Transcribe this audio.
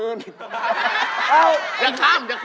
เอ้าอย่าข้าม